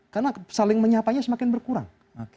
karena saling menyapanya semakin berkurang